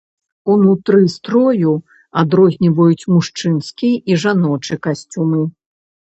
Унутры строю адрозніваюць мужчынскі і жаночы касцюмы.